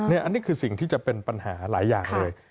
อันนี้คือสิ่งที่จะเป็นปัญหาหลายอย่างเลย